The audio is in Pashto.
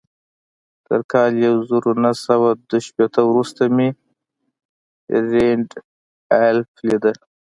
تر کال يو زر و نهه سوه دوه ويشت وروسته مې رينډالف ليده.